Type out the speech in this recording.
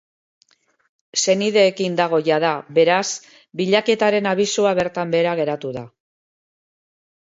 Senideekin dago jada, beraz, bilaketaren abisua bertan behera geratu da.